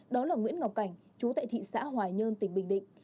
đó là nguyễn ngọc cảnh chú tại thị xã hòa nhơn tỉnh bình định